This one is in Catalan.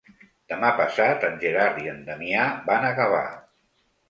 Demà passat en Gerard i en Damià van a Gavà.